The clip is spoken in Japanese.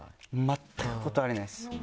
全く断れないです。